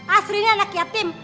astrinya anak yatim